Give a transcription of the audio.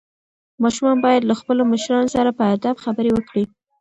ماشومان باید له خپلو مشرانو سره په ادب خبرې وکړي.